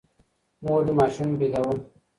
مور مي ماشوم بېداوه.